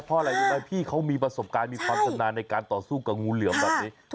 เพราะอะไรรู้ไหมพี่เขามีประสบการณ์มีความสนานในการต่อสู้กับงูเหลือมแบบนี้